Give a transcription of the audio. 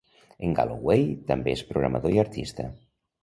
En Galloway també és programador i artista.